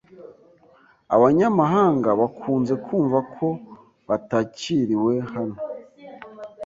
Abanyamahanga bakunze kumva ko batakiriwe hano.